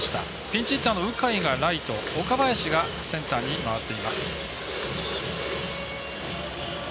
ピンチヒッターの鵜飼がライト岡林がセンターに回っています。